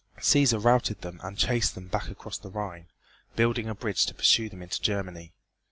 Cæsar routed them and chased them back across the Rhine, building a bridge to pursue them into Germany.